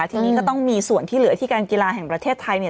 ทีนี้ก็ต้องมีส่วนที่เหลือที่การกีฬาแห่งประเทศไทยเนี่ย